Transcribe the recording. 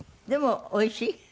でもおいしい？